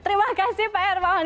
terima kasih pak hermawan